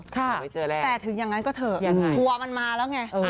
แต่ถึงอย่างนั้นก็เถอะทัวร์มันมาแล้วไง